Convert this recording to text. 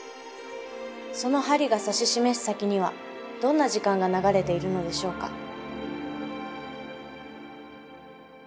その針が指し示す先にはどんな時間が流れているのでしょうか。